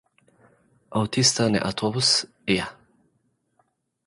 ኣውቲስታ ናይ ኣውቶቡስ እያ።